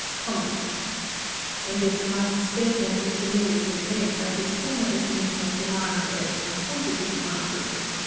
In this last statement Mr. Mill is misled by his former definition of demand as "quantity demanded."